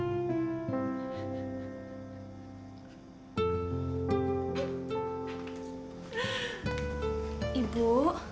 ibu sedih lagi ya